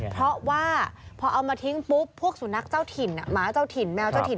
เพราะว่าพอเอามาทิ้งปุ๊บพวกสุนัขเจ้าถิ่นหมาเจ้าถิ่นแมวเจ้าถิ่น